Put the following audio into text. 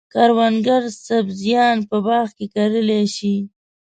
کروندګر سبزیان په باغ کې کرلای شي.